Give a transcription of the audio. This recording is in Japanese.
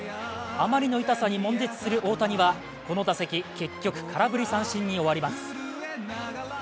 あまりの痛さにもん絶する大谷はこの打席、結局空振り三振に終わります。